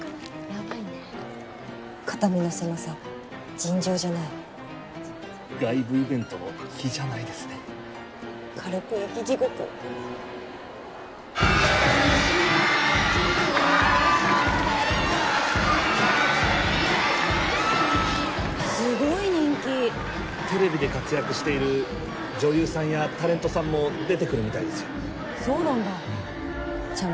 やばいね肩身の狭さ尋常じゃない外部イベントの比じゃないですね軽く生き地獄すごい人気テレビで活躍している女優さんやタレントさんも出てくるみたいですよそうなんだちゃ